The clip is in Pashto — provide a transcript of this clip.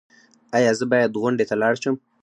ایا زه باید غونډې ته لاړ شم؟